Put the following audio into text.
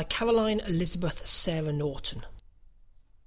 Caroline Elizabeth Sarah Norton.